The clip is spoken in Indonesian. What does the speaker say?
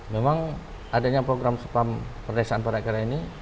memang adanya program spam perdesaan padat karya ini